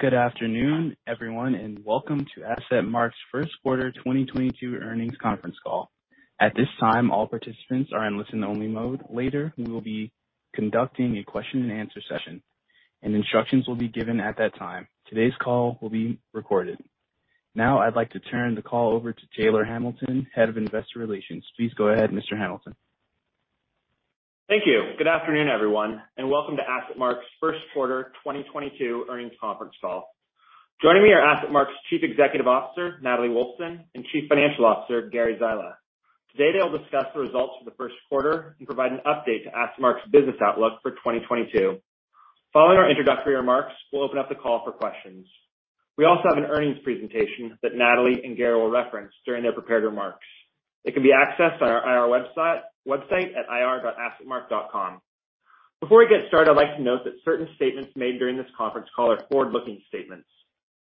Good afternoon, everyone, and welcome to AssetMark's First Quarter 2022 Earnings Conference Call. At this time, all participants are in listen only mode. Later, we will be conducting a question and answer session, and instructions will be given at that time. Today's call will be recorded. Now I'd like to turn the call over to Taylor Hamilton, Head of Investor Relations. Please go ahead, Mr. Hamilton. Thank you. Good afternoon, everyone, and welcome to AssetMark's First Quarter 2022 Earnings Conference Call. Joining me are AssetMark's Chief Executive Officer, Natalie Wolfsen, and Chief Financial Officer, Gary Zyla. Today, they'll discuss the results for the first quarter and provide an update to AssetMark's business outlook for 2022. Following our introductory remarks, we'll open up the call for questions. We also have an earnings presentation that Natalie and Gary will reference during their prepared remarks. It can be accessed on our website at ir.assetmark.com. Before we get started, I'd like to note that certain statements made during this conference call are forward-looking statements.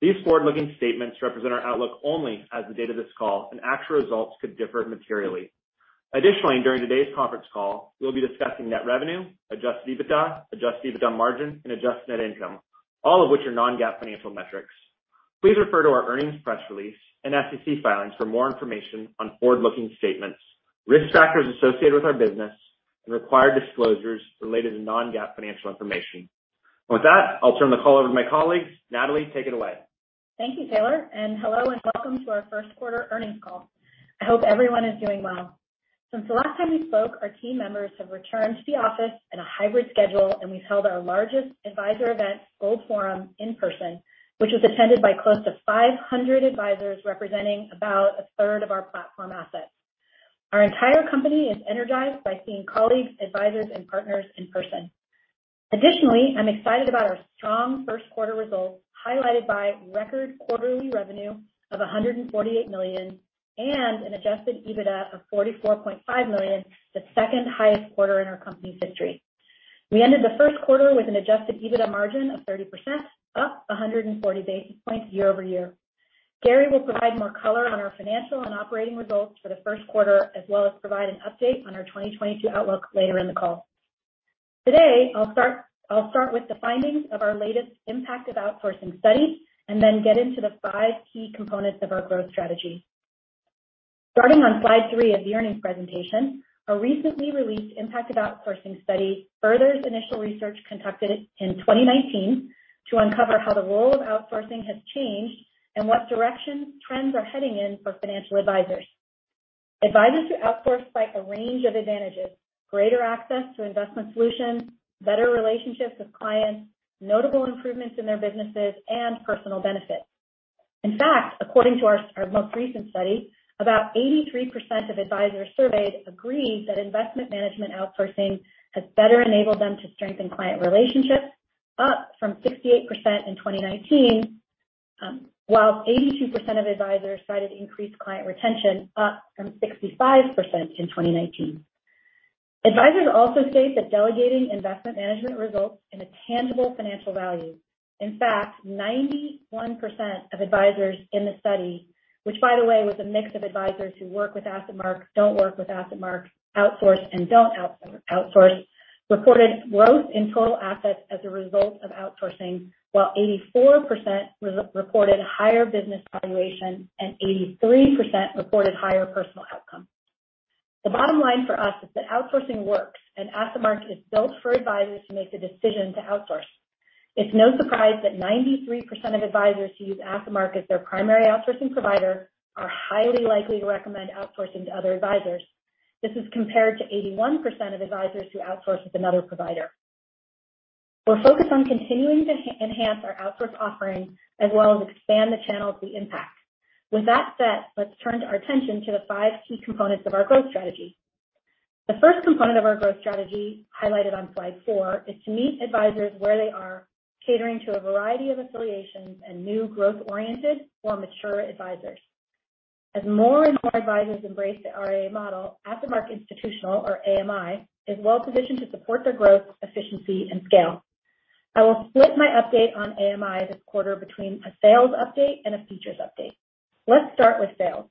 These forward-looking statements represent our outlook only as of the date of this call, and actual results could differ materially. Additionally, during today's conference call, we'll be discussing net revenue, adjusted EBITDA, adjusted EBITDA margin, and adjusted net income, all of which are non-GAAP financial metrics. Please refer to our earnings press release and SEC filings for more information on forward-looking statements, risk factors associated with our business, and required disclosures related to non-GAAP financial information. With that, I'll turn the call over to my colleagues. Natalie, take it away. Thank you, Taylor, and hello and welcome to our first quarter earnings call. I hope everyone is doing well. Since the last time we spoke, our team members have returned to the office in a hybrid schedule, and we've held our largest advisor event, Gold Forum, in person, which was attended by close to 500 advisors, representing about a third of our platform assets. Our entire company is energized by seeing colleagues, advisors and partners in person. Additionally, I'm excited about our strong first quarter results, highlighted by record quarterly revenue of $148 million and an adjusted EBITDA of $44.5 million, the second-highest quarter in our company's history. We ended the first quarter with an adjusted EBITDA margin of 30%, up 140 basis points year-over-year. Gary will provide more color on our financial and operating results for the first quarter, as well as provide an update on our 2022 outlook later in the call. Today, I'll start with the findings of our latest impact of outsourcing study and then get into the five key components of our growth strategy. Starting on slide three of the earnings presentation, our recently released impact of outsourcing study furthers initial research conducted in 2019 to uncover how the role of outsourcing has changed and what directions trends are heading in for financial advisors. Advisors who outsource cite a range of advantages, greater access to investment solutions, better relationships with clients, notable improvements in their businesses and personal benefits. In fact, according to our most recent study, about 83% of advisors surveyed agreed that investment management outsourcing has better enabled them to strengthen client relationships, up from 68% in 2019, while 82% of advisors cited increased client retention, up from 65% in 2019. Advisors also state that delegating investment management results in a tangible financial value. In fact, 91% of advisors in the study, which by the way was a mix of advisors who work with AssetMark, don't work with AssetMark, outsource and don't outsource, reported growth in total assets as a result of outsourcing, while 84% reported higher business valuation and 83% reported higher personal outcomes. The bottom line for us is that outsourcing works, and AssetMark is built for advisors who make the decision to outsource. It's no surprise that 93% of advisors who use AssetMark as their primary outsourcing provider are highly likely to recommend outsourcing to other advisors. This is compared to 81% of advisors who outsource with another provider. We're focused on continuing to enhance our outsource offerings as well as expand the channels we impact. With that said, let's turn our attention to the five key components of our growth strategy. The first component of our growth strategy, highlighted on slide four, is to meet advisors where they are, catering to a variety of affiliations and new growth-oriented or mature advisors. As more and more advisors embrace the RIA model, AssetMark Institutional or AMI is well positioned to support their growth, efficiency and scale. I will split my update on AMI this quarter between a sales update and a features update. Let's start with sales.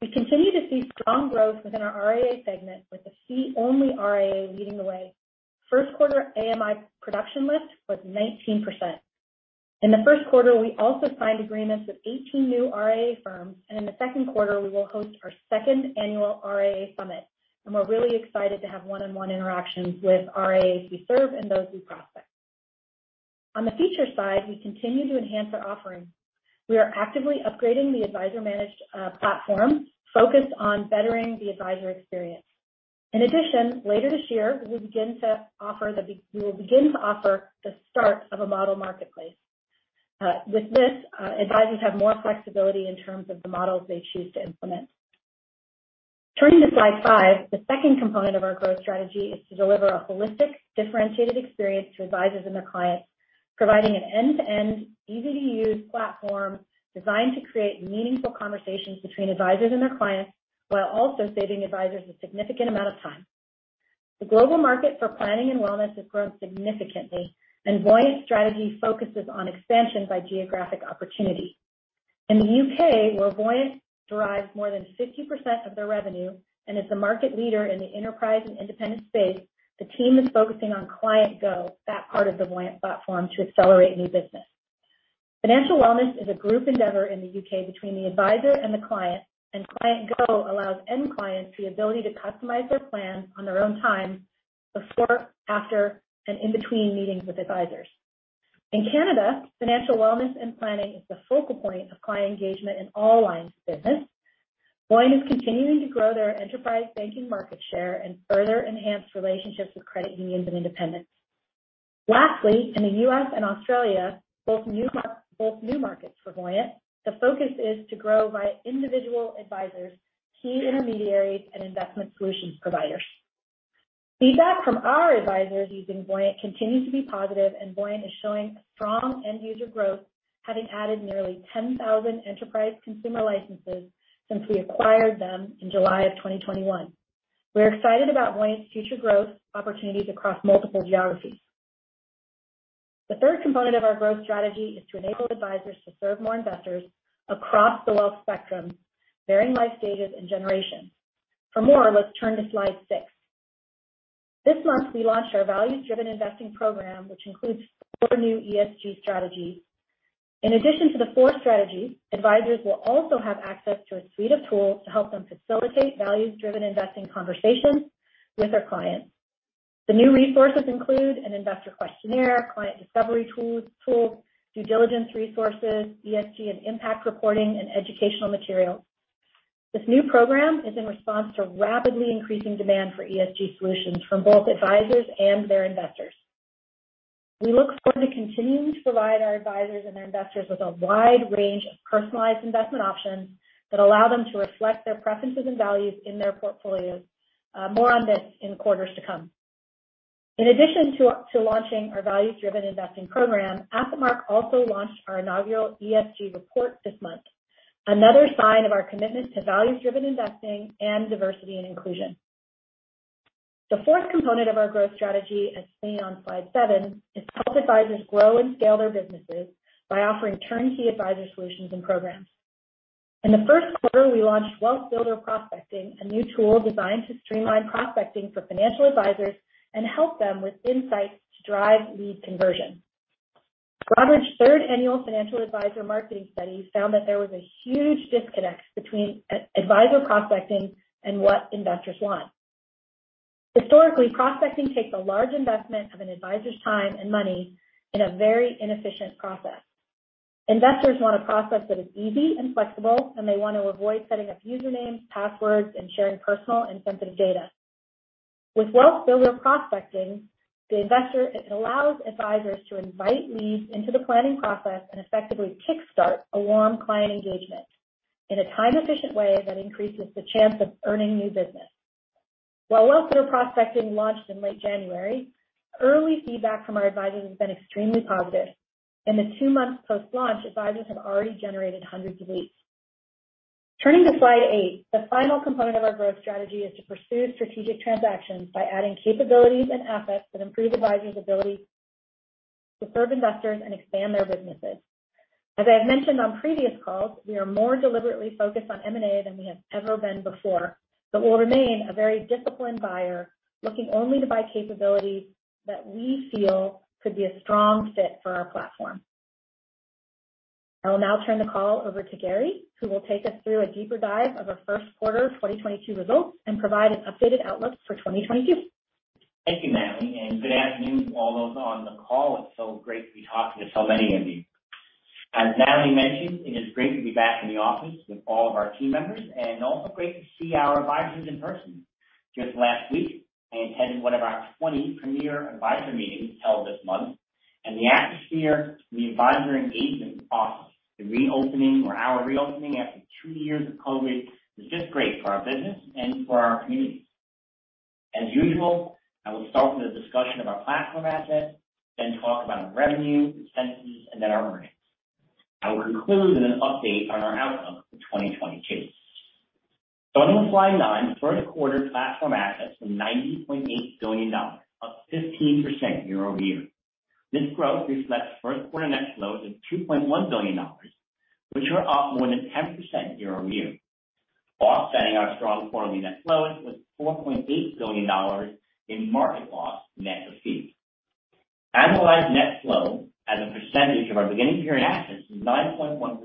We continue to see strong growth within our RIA segment, with the fee-only RIA leading the way. First quarter AMI production lift was 19%. In the first quarter, we also signed agreements with 18 new RIA firms, and in the second quarter we will host our second annual RIA Summit, and we're really excited to have one-on-one interactions with RIAs we serve and those we prospect. On the feature side, we continue to enhance our offerings. We are actively upgrading the advisor managed platform, focused on bettering the advisor experience. In addition, later this year, we will begin to offer the start of a model marketplace. With this, advisors have more flexibility in terms of the models they choose to implement. Turning to slide five, the second component of our growth strategy is to deliver a holistic, differentiated experience to advisors and their clients, providing an end-to-end, easy-to-use platform designed to create meaningful conversations between advisors and their clients while also saving advisors a significant amount of time. The global market for planning and wellness has grown significantly, and Voyant strategy focuses on expansion by geographic opportunity. In the UK, where Voyant derives more than 50% of their revenue and is a market leader in the enterprise and independent space, the team is focusing on Client Go, that part of the Voyant platform, to accelerate new business. Financial wellness is a group endeavor in the UK between the advisor and the client, and Client Go allows end clients the ability to customize their plan on their own time before, after, and in between meetings with advisors. In Canada, financial wellness and planning is the focal point of client engagement in all lines of business. Voyant is continuing to grow their enterprise banking market share and further enhance relationships with credit unions and independents. Lastly, in the U.S. and Australia, both new markets for Voyant, the focus is to grow via individual advisors, key intermediaries, and investment solutions providers. Feedback from our advisors using Voyant continues to be positive, and Voyant is showing strong end user growth, having added nearly 10,000 enterprise consumer licenses since we acquired them in July of 2021. We're excited about Voyant's future growth opportunities across multiple geographies. The third component of our growth strategy is to enable advisors to serve more investors across the wealth spectrum, varying life stages and generations. For more, let's turn to slide six. This month, we launched our values-driven investing program, which includes four new ESG strategies. In addition to the four strategies, advisors will also have access to a suite of tools to help them facilitate values-driven investing conversations with their clients. The new resources include an investor questionnaire, client discovery tools, due diligence resources, ESG and impact reporting, and educational materials. This new program is in response to rapidly increasing demand for ESG solutions from both advisors and their investors. We look forward to continuing to provide our advisors and their investors with a wide range of personalized investment options that allow them to reflect their preferences and values in their portfolios. More on this in quarters to come. In addition to launching our values-driven investing program, AssetMark also launched our inaugural ESG report this month. Another sign of our commitment to values-driven investing and diversity and inclusion. The fourth component of our growth strategy, as seen on slide seven, is help advisors grow and scale their businesses by offering turnkey advisor solutions and programs. In the first quarter, we launched WealthBuilder Prospecting, a new tool designed to streamline prospecting for financial advisors and help them with insights to drive lead conversion. Broadridge's third annual financial advisor marketing study found that there was a huge disconnect between advisor prospecting and what investors want. Historically, prospecting takes a large investment of an advisor's time and money in a very inefficient process. Investors want a process that is easy and flexible, and they want to avoid setting up usernames, passwords, and sharing personal and sensitive data. With WealthBuilder Prospecting, it allows advisors to invite leads into the planning process and effectively kickstart a long client engagement in a time efficient way that increases the chance of earning new business. While WealthBuilder Prospecting launched in late January, early feedback from our advisors has been extremely positive. In the two months post-launch, advisors have already generated hundreds of leads. Turning to slide eight, the final component of our growth strategy is to pursue strategic transactions by adding capabilities and assets that improve advisors' ability to serve investors and expand their businesses. As I have mentioned on previous calls, we are more deliberately focused on M&A than we have ever been before, but we'll remain a very disciplined buyer looking only to buy capabilities that we feel could be a strong fit for our platform. I will now turn the call over to Gary, who will take us through a deeper dive of our first quarter 2022 results and provide an updated outlook for 2022. Thank you, Natalie, and good afternoon to all those on the call. It's so great to be talking to so many of you. As Natalie mentioned, it is great to be back in the office with all of our team members and also great to see our advisors in person. Just last week, I attended one of our 20 premier advisor meetings held this month, and the atmosphere, the advisor engagement in the office, the reopening of our offices after two years of COVID was just great for our business and for our communities. As usual, I will start with a discussion of our platform assets, then talk about revenue, expenses, and then our earnings. I will conclude with an update on our outlook for 2022. Starting with slide nine, first quarter platform assets were $90.8 billion, up 15% year-over-year. This growth reflects first quarter net flows of $2.1 billion, which are up more than 10% year-over-year. Offsetting our strong quarterly net flows was $4.8 billion in market loss net of fees. Annualized net flow as a percentage of our beginning period assets was 9.1%,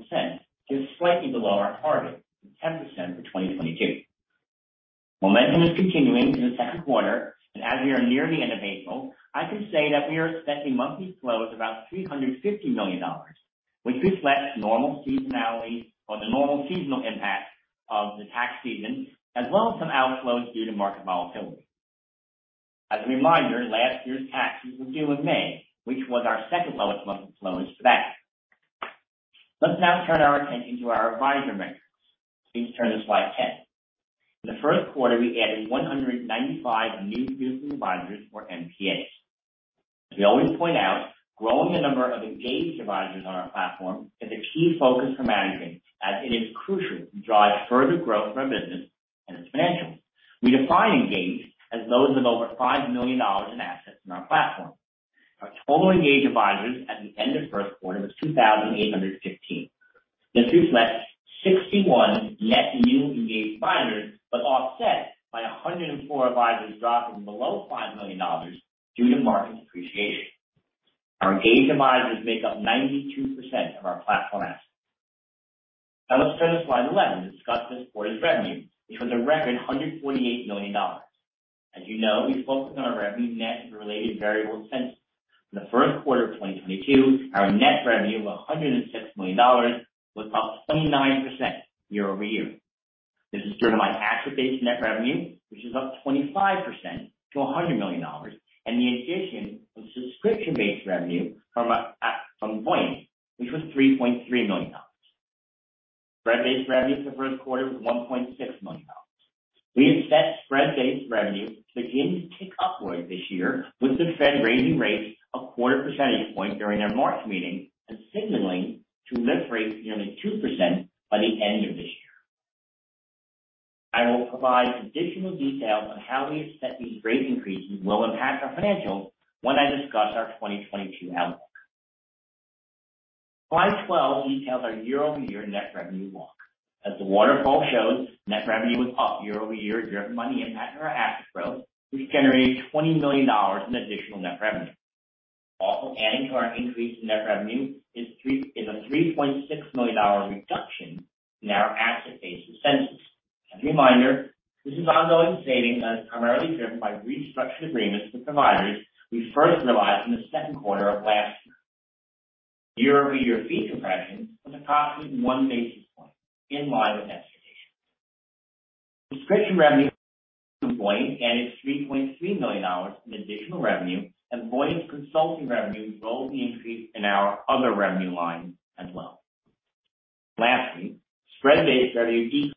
just slightly below our target of 10% for 2022. Momentum is continuing in the second quarter, and as we are near the end of April, I can say that we are expecting monthly flows about $350 million, which reflects normal seasonality or the normal seasonal impact of the tax season, as well as some outflows due to market volatility. As a reminder, last year's tax season was due in May, which was our second lowest month of flows to date. Let's now turn our attention to our advisor metrics. Please turn to slide 10. In the first quarter, we added 195 new producing advisors or MPAs. As we always point out, growing the number of engaged advisors on our platform is a key focus for management, as it is crucial to drive further growth for our business and its financials. We define engaged as those with over $5 million in assets in our platform. Our total engaged advisors at the end of first quarter was 2,815. This reflects 61 net new engaged advisors, but offset by 104 advisors dropping below $5 million due to market depreciation. Our engaged advisors make up 92% of our platform assets. Now let's turn to slide 11 to discuss this quarter's revenue, which was a record $148 million. As you know, we focus on our net revenue and related variable expenses. In the first quarter of 2022, our net revenue of $106 million was up 29% year-over-year. This is driven by asset-based net revenue, which is up 25% to $100 million. The addition of subscription-based revenue from our Voyant, which was $3.3 million. Spread-based revenue for the first quarter was $1.6 million. We expect spread-based revenue to begin to tick upwards this year with the Fed raising rates a quarter percentage point during their March meeting and signaling to lift rates nearly 2% by the end of this year. I will provide additional details on how we expect these rate increases will impact our financials when I discuss our 2022 outlook. Slide 12 details our year-over-year net revenue walk. As the waterfall shows, net revenue was up year over year, driven by the impact on our asset growth, which generated $20 million in additional net revenue. Also adding to our increase in net revenue is a $3.6 million reduction in our asset-based expenses. As a reminder, this is ongoing savings that is primarily driven by restructuring agreements with providers we first realized in the second quarter of last year. Year-over-year fee compression was approximately 1 basis point in line with expectations. Subscription revenue from Voyant added $3.3 million in additional revenue, and Voyant's consulting revenue drove the increase in our other revenue line as well. Lastly, spread-based revenue decreased.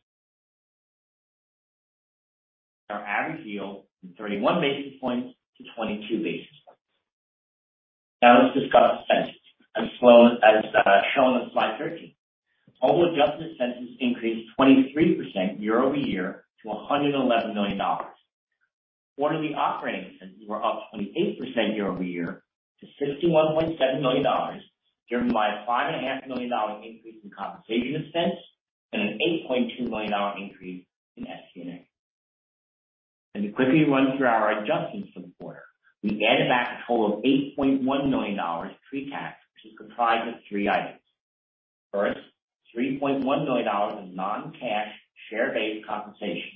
Our average yield from 31 basis points to 22 basis points. Now let's discuss expenses as shown on slide 13. Total adjusted expenses increased 23% year-over-year to $111 million. Quarterly operating expenses were up 28% year-over-year to $61.7 million, driven by a $5.5 million increase in compensation expense and an $8.2 million increase in SG&A. To quickly run through our adjustments for the quarter, we added back a total of $8.1 million pre-tax, which is comprised of three items. First, $3.1 million in non-cash share-based compensation.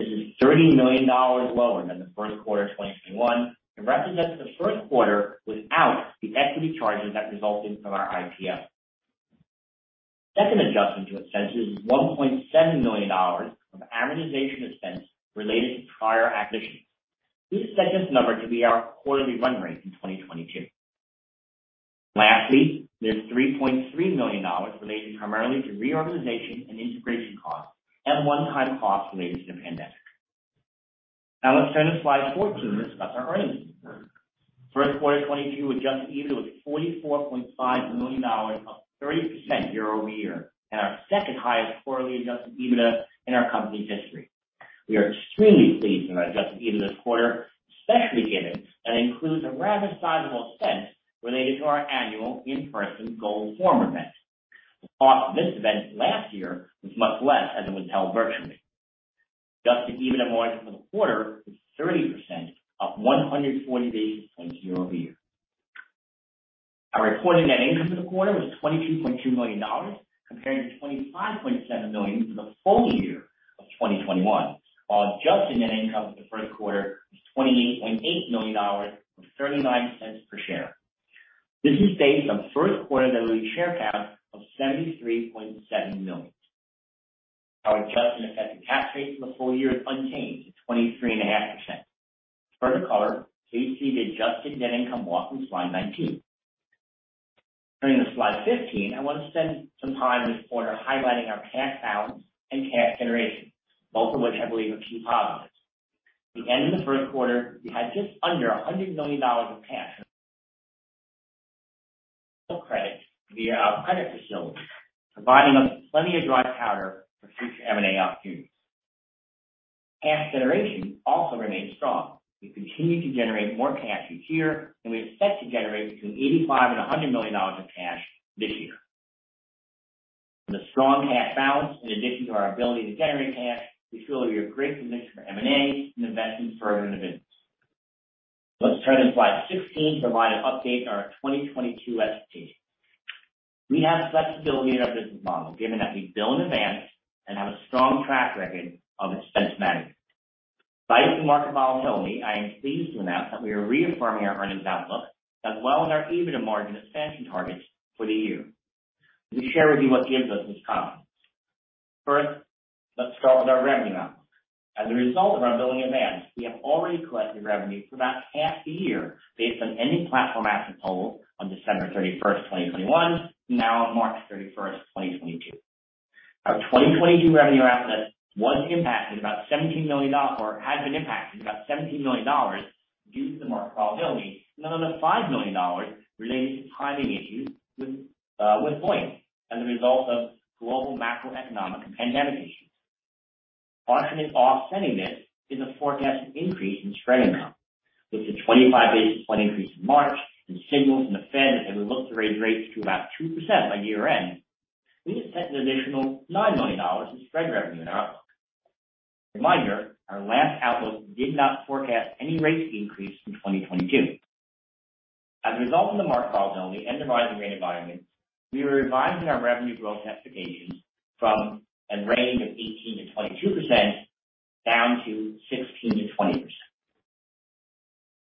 This is $30 million lower than the first quarter of 2021 and represents the first quarter without the equity charges that resulted from our IPO. Second adjustment to expenses is $1.7 million of amortization expense related to prior acquisitions. We expect this number to be our quarterly run rate in 2022. Lastly, there's $3.3 million relating primarily to reorganization and integration costs and one-time costs related to the pandemic. Now let's turn to slide 14 to discuss our earnings. First quarter 2022 adjusted EBITDA was $44.5 million, up 30% year-over-year and our second highest quarterly adjusted EBITDA in our company's history. We are extremely pleased with our adjusted EBITDA this quarter, especially given that it includes a rather sizable expense related to our annual in-person Gold Forum event. The cost of this event last year was much less as it was held virtually. Adjusted EBITDA margin for the quarter was 30%, up 140 basis points year-over-year. Our recorded net income for the quarter was $22.2 million compared to $25.7 million for the full year of 2021. Our adjusted net income for the first quarter was $28.8 million or $0.39 per share. This is based on the first quarter diluted share count of 73.7 million. Our adjusted effective tax rate for the full year is unchanged at 23.5%. For the color, please see the adjusted net income walk from slide 19. Turning to slide 15, I want to spend some time this quarter highlighting our cash balance and cash generation, both of which I believe are key positives. At the end of the first quarter, we had just under $100 million of cash and available credits via our credit facility, providing us with plenty of dry powder for future M&A opportunities. Cash generation also remained strong. We continue to generate more cash each year, and we expect to generate between $85 million and $100 million of cash this year. With a strong cash balance in addition to our ability to generate cash, we feel we have great conviction for M&A and investing further in Advisors. Let's turn to slide 16 to provide an update on our 2022 expectations. We have flexibility in our business model given that we bill in advance and have a strong track record of expense management. Despite the market volatility, I am pleased to announce that we are reaffirming our earnings outlook as well as our EBITDA margin expansion targets for the year. Let me share with you what gives us this confidence. First, let's start with our revenue outlook. As a result of our billing advance, we have already collected revenue for about half the year based on ending platform assets total on December 31st, 2021, now March 31st, 2022. Our 2022 revenue outlook has been impacted about $17 million due to the market volatility and another $5 million related to timing issues with Voyant as a result of global macroeconomic and pandemic issues. Partially offsetting this is a forecasted increase in spread amount. With the 25 basis point increase in March and signals from the Fed that they look to raise rates to about 2% by year-end, we have set an additional $9 million in spread revenue in our outlook. Reminder, our last outlook did not forecast any rates increase in 2022. As a result of the market volatility and the rising rate environment, we are revising our revenue growth expectations from a range of 18%-22% down to 16%-20%.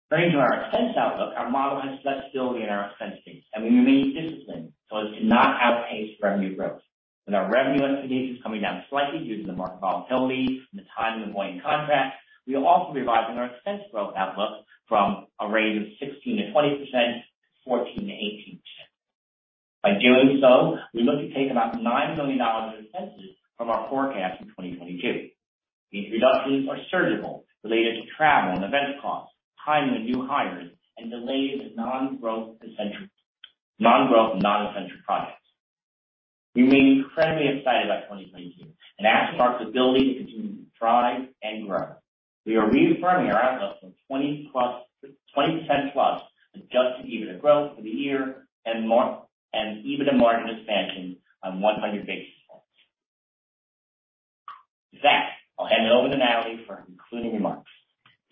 Turning to our expense outlook, our model has less stability in our expense base, and we remain disciplined so as to not outpace revenue growth. With our revenue expectations coming down slightly due to the market volatility from the timing of ongoing contracts, we are also revising our expense growth outlook from a range of 16%-20%, 14%-18%. By doing so, we look to take about $9 million in expenses from our forecast in 2022. These reductions are surgical related to travel and event costs, timing of new hires, and delays of non-growth, non-essential projects. We remain incredibly excited about 2022 and AssetMark's ability to continue to thrive and grow. We are reaffirming our outlook for 20%+ adjusted EBITDA growth for the year and EBITDA margin expansion on 100 basis points. With that, I'll hand it over to Natalie for concluding remarks.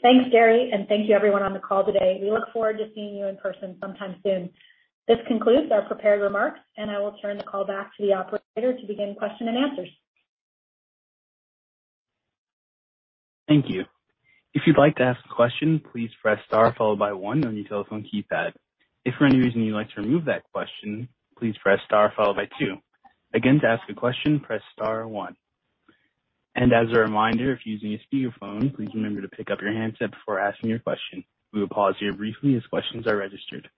Thanks, Gary, and thank you everyone on the call today. We look forward to seeing you in person sometime soon. This concludes our prepared remarks, and I will turn the call back to the operator to begin question and answers. Thank you. If you'd like to ask a question, please press star followed by one on your telephone keypad. If for any reason you'd like to remove that question, please press star followed by two. Again, to ask a question, press star one. As a reminder, if you're using a speakerphone, please remember to pick up your handset before asking your question. We will pause here briefly as questions are registered.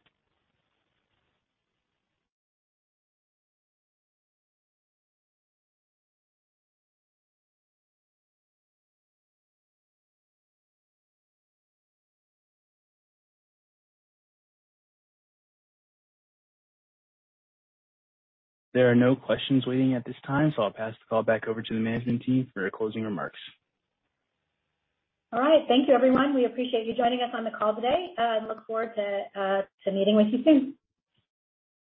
There are no questions waiting at this time, so I'll pass the call back over to the management team for their closing remarks. All right. Thank you, everyone. We appreciate you joining us on the call today and look forward to meeting with you soon.